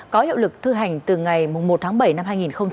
có hiệu lực thư hành từ ngày một tháng bảy năm hai nghìn hai mươi một